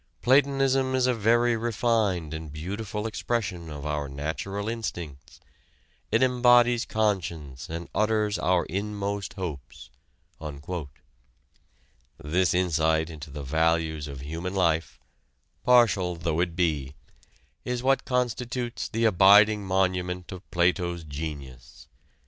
Platonism is a very refined and beautiful expression of our natural instincts, it embodies conscience and utters our inmost hopes." This insight into the values of human life, partial though it be, is what constitutes the abiding monument of Plato's genius.